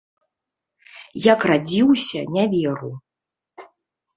Як радзіўся, не веру.